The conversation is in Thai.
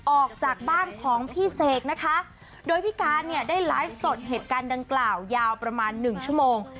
ออกจากบ้านของพี่เสกนะคะโดยพี่การเนี่ยได้ไลฟ์สดเหตุการณ์ดังกล่าวยาวประมาณหนึ่งชั่วโมง